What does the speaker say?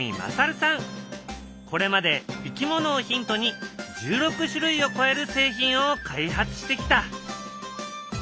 これまでいきものをヒントに１６種類を超える製品を開発してきた。